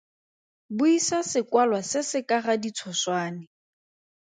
Buisa sekwalwa se se ka ga ditshoswane.